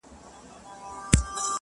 ژونده راسه څو د میني ترانې سه.